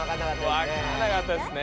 わかんなかったですね。